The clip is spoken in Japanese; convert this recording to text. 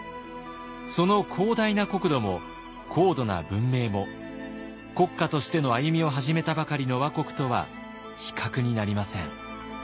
その広大な国土も高度な文明も国家としての歩みを始めたばかりの倭国とは比較になりません。